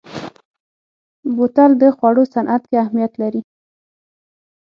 بوتل د خوړو صنعت کې اهمیت لري.